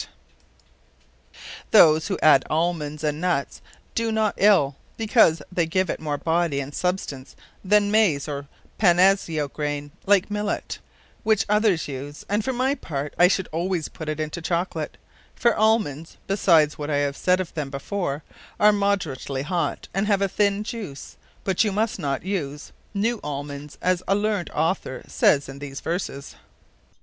[D] Ta asco. Those, who adde Almons, and Nuts, doe not ill; because they give it more body and substance then Maiz or _Paniso_[E], which others use; and for my part, I should always put it into Chocolate, for Almonds (besides what I have said of them before) are moderately hot, and have a thinne juice; but you must not use new Almons, as a learned Author sayes in these Verses.